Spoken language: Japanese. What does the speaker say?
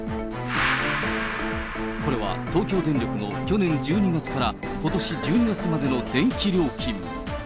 これは東京電力の去年１２月からことし１２月までの電気料金。